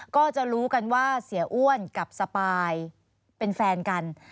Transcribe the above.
ก็จะรู้กันว่าเสียอ้วนกับสปายเป็นแฟนกัน